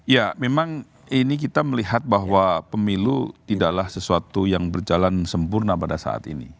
ya memang ini kita melihat bahwa pemilu tidaklah sesuatu yang berjalan sempurna pada saat ini